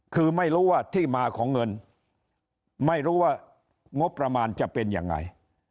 คือไม่รู้ว่าที่มาของเงินไม่รู้ว่างบประมาณจะเป็นยังไง